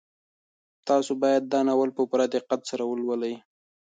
تاسو باید دا ناول په پوره دقت سره ولولئ.